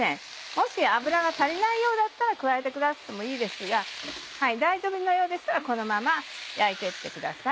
もし油が足りないようだったら加えてくださってもいいですが大丈夫なようでしたらこのまま焼いて行ってください。